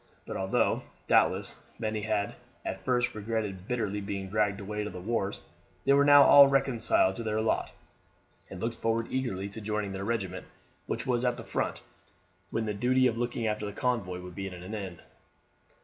But although, doubtless, many had at first regretted bitterly being dragged away to the wars, they were now all reconciled to their lot, and looked forward eagerly to joining their regiment, which was at the front, when the duty of looking after the convoy would be at an end.